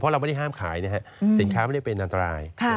เราไม่ได้ห้ามขายนะฮะสินค้าไม่ได้เป็นอันตราย